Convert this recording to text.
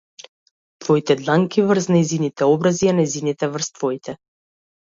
Твоите дланки врз нејзините образи, а нејзините врз твоите.